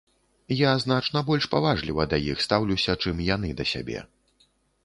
Я значна больш паважліва да іх стаўлюся, чым яны да сябе.